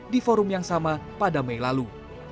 di forum yang sama pada mei lalu